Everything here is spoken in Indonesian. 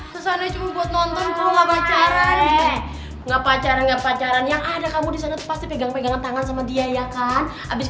tenang tenang tenang kepada para penonton jangan menang